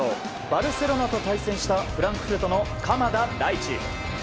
バルセロナと対戦したフランクフルトの鎌田大地。